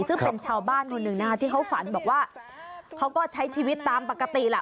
ซึ่งเป็นชาวบ้านคนหนึ่งนะคะที่เขาฝันบอกว่าเขาก็ใช้ชีวิตตามปกติล่ะ